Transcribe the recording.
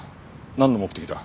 なんの目的だ？